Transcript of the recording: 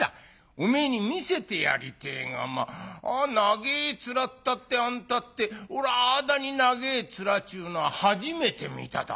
おめえに見せてやりてえが長え面ったってあんたっておらああだに長え面ちゅうのは初めて見ただ。